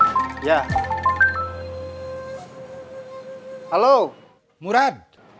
tidak tahu kamu educated sih